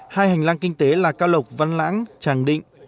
hai hành lang kinh tế là cao lộc văn lãng tràng định